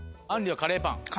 あんりはカレーパン。